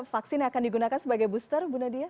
vaksin yang akan digunakan sebagai booster